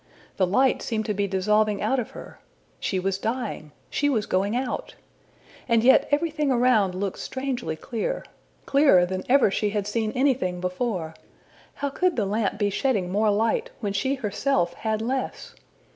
The light seemed to be dissolving out of her; she was dying she was going out! And yet everything around looked strangely clear clearer than ever she had seen anything before; how could the lamp be shedding more light when she herself had less?